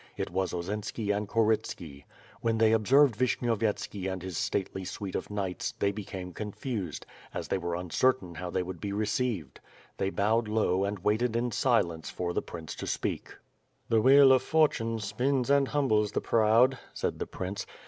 It was Osinski and Korytski. When they observed Vishnyovyetski and his stately suite of knights, they became confused, as they were uncertain how thev would be received. They bowed low and waited in silence for the prince to speak. "The wheel of fortune spins and humbles the proud," said the prince.